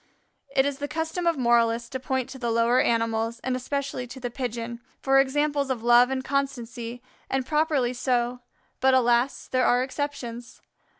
It is the custom of moralists to point to the lower animals, and especially to the Pigeon, for examples of love and constancy, and properly so, but, alas there are exceptions.